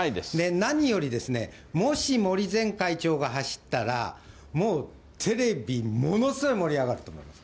何よりですね、もし森前会長が走ったら、もうテレビ、ものすごい盛り上がると思います。